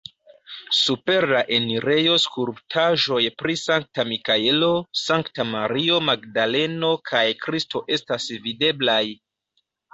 Super la enirejo skulptaĵoj pri Sankta Mikaelo, Sankta Mario Magdaleno kaj Kristo estas videblaj.